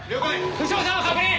・・負傷者の確認！